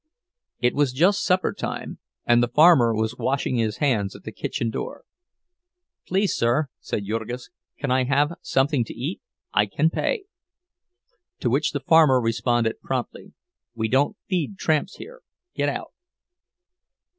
It was just supper time, and the farmer was washing his hands at the kitchen door. "Please, sir," said Jurgis, "can I have something to eat? I can pay." To which the farmer responded promptly, "We don't feed tramps here. Get out!"